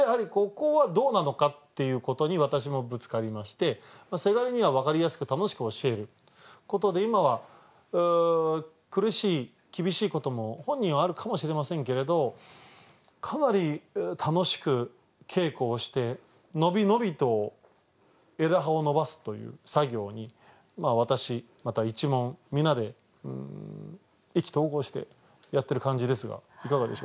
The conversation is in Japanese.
ここはどうなのかっていうことに私もぶつかりましてせがれには分かりやすく楽しく教えることで今は苦しい厳しいことも本人はあるかもしれませんけれどかなり楽しく稽古をして伸び伸びと枝葉を伸ばすという作業に私また一門皆で意気投合してやってる感じですがいかがでしょうか？